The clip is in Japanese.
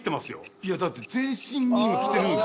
いやだって全身に今きてるんです。